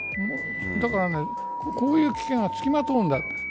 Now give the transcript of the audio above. だからこういう危険がつきまとうんだ。